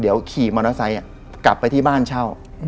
เดี๋ยวขี่มอเตอร์ไซค์กลับไปที่บ้านเช่า